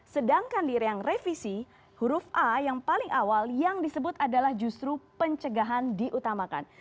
sedangkan di reang revisi huruf a yang paling awal yang disebut adalah justru pencegahan diutamakan